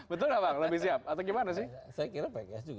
betul nggak bang lebih siap atau gimana sih